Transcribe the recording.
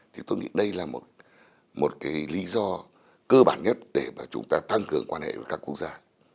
thì tôi nghĩ đây là một cái lý do cơ bản nhất để mà chúng ta tăng cường quan hệ với các quốc gia